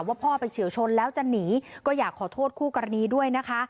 พ่อไปเฉียวชนแล้วจะหนีก็อยากขอโทษคู่กรณีด้วยนะคะ